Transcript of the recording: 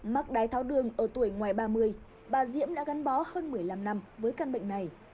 mắc đái tháo đường ở tuổi ngoài ba mươi bà diễm đã gắn bó hơn một mươi năm năm với căn bệnh này